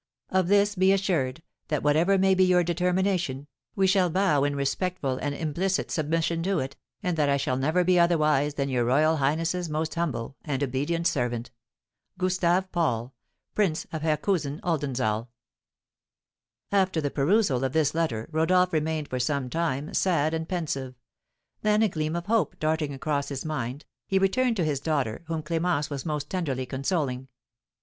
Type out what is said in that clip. "Of this be assured, that whatever may be your determination, we shall bow in respectful and implicit submission to it, and that I shall never be otherwise than your royal highness's most humble and obedient servant, "GUSTAVE PAUL, "Prince of Herkaüsen Oldenzaal." After the perusal of this letter Rodolph remained for some time sad and pensive; then a gleam of hope darting across his mind, he returned to his daughter, whom Clémence was most tenderly consoling.